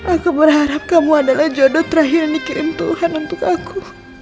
aku berharap kamu adalah jodoh terakhir yang dikirim tuhan untuk aku